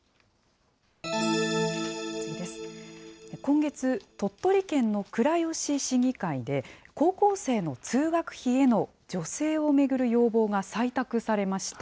今月、鳥取県の倉吉市議会で、高校生の通学費への助成を巡る要望が採択されました。